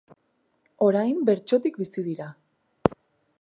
Orain bertsotik bizi dira.